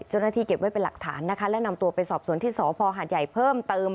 เจ้าหน้าที่เก็บไว้เป็นหลักฐานนะคะและนำตัวไปสอบสวนที่สพหาดใหญ่เพิ่มเติม